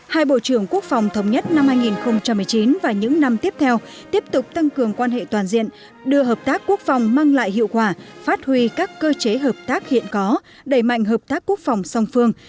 hai bộ trưởng quốc phòng thống nhất năm hai nghìn một mươi chín và những năm tiếp theo tiếp tục tăng cường quan hệ toàn diện đưa hợp tác quốc phòng mang lại hiệu quả phát huy các cơ chế hợp tác hiện có đẩy mạnh hợp tác quốc phòng song phương